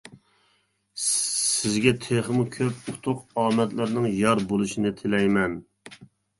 سىزگە تېخىمۇ كۆپ ئوتۇق ئامەتلەرنىڭ يار بولۇشىنى تىلەيمەن!